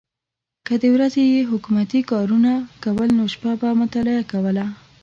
که د ورځې یې حکومتي کارونه کول نو شپه به مطالعه کوله.